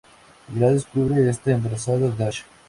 Ingrid descubre que está embarazada de Dash.